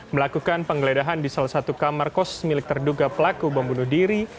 melakukan penggeledahan di salah satu kamar kos milik terduga pelaku bom bunuh diri